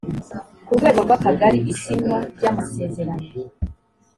ku rwego rw akagari isinywa ry amasezerano